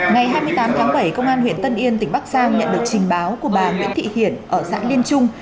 ngày hai mươi tám tháng bảy công an huyện tân yên tỉnh bắc giang nhận được trình báo của bà nguyễn thị hiển ở xã liên trung